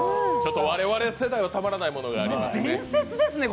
我々世代はたまらないものがありますね。